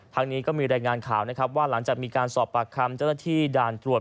ทางนี้ก็มีรายงานข่าวนะครับว่าหลังจากมีการสอบปากคำเจ้าหน้าที่ด่านตรวจ